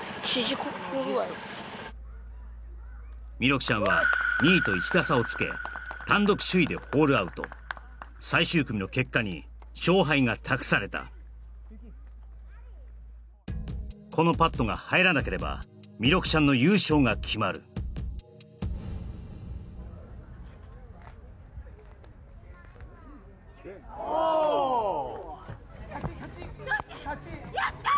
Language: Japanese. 弥勒ちゃんは２位と１打差をつけ単独首位でホールアウト最終組の結果に勝敗が託されたこのパットが入らなければ弥勒ちゃんの優勝が決まる・Ｏｈやったー！